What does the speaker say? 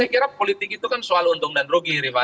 saya kira politik itu kan soal untung dan rugi riva